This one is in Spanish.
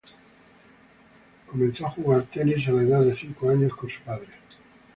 Comenzó a jugar tenis a la edad de cinco años con su padre.